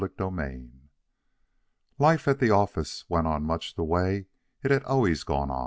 CHAPTER XV Life at the office went on much the way it had always gone.